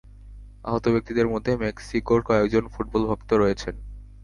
আহত ব্যক্তিদের মধ্য মেক্সিকোর কয়েকজন ফুটবলভক্ত রয়েছেন।